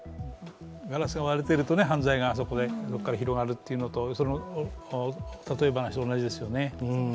ガラスが割れてると犯罪がそこで広がるっていう例え話と同じですよね。